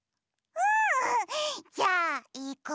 うん！じゃあいくよ！